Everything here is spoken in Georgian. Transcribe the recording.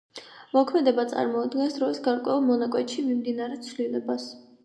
მოქმედება წარმოადგენს დროის გარკვეულ მონაკვეთში მიმდინარე ცვლილებას.